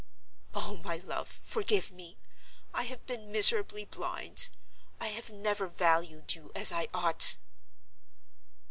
"Oh, my love, forgive me! I have been miserably blind—I have never valued you as I ought!"